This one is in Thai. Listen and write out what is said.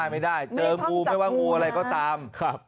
ไม่ได้เจองูไม่ว่างูอะไรก็ตาม